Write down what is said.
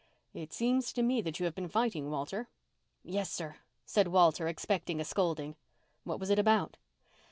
"It seems to me that you have been fighting, Walter?" "Yes, sir," said Walter, expecting a scolding. "What was it about?"